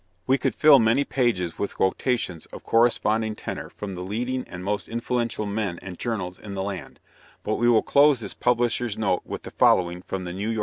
We could fill many pages with quotations of corresponding tenor from the leading and most influential men and journals in the land, but we will close this publisher's note with the following from the _N. Y.